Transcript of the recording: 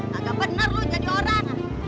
kagak bener loh jadi orang